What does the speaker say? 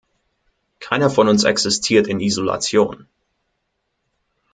Keiner von uns existiert in Isolation.